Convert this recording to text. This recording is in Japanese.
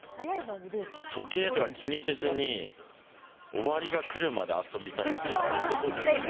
時計とか気にせずに、終わりが来るまで遊びたいっていうのありますね。